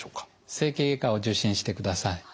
整形外科を受診してください。